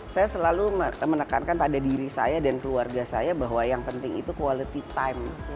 saya selalu menekankan pada diri saya dan keluarga saya bahwa yang penting itu quality time